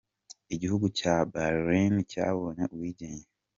Igihugu cya Bahrain cyabonye ubwigenge.